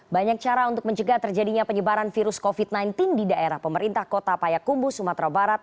banyak cara untuk mencegah terjadinya penyebaran virus covid sembilan belas di daerah pemerintah kota payakumbu sumatera barat